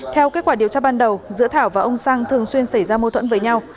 theo kết quả điều tra ban đầu giữa thảo và ông sang thường xuyên xảy ra mâu thuẫn với nhau